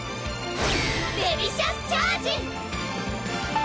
デリシャスチャージ！